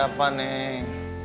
kata siapa neng